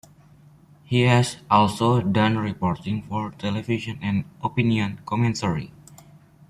He has also done reporting for television and opinion commentary.